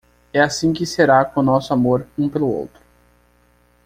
É assim que será com nosso amor um pelo outro.